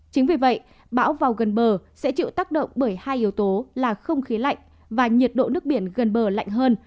chính vì vậy bão vào gần bờ sẽ chịu tác động bởi hai yếu tố là không khí lạnh và nhiệt độ nước biển gần bờ lạnh hơn